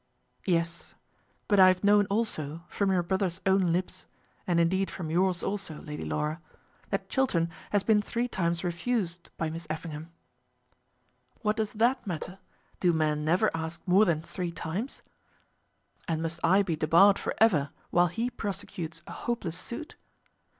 "Yes; but I have known also, from your brother's own lips, and indeed from yours also, Lady Laura, that Chiltern has been three times refused by Miss Effingham." "What does that matter? Do men never ask more than three times?" "And must I be debarred for ever while he prosecutes a hopeless suit?"